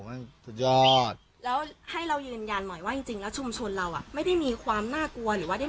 ให้สุดยอดแล้วให้เรายืนยันหน่อยว่าจริงจริงแล้วชุมชนเราอ่ะไม่ได้มีความน่ากลัวหรือว่าได้